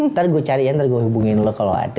ntar gue cari entar gue hubungin lo kalau ada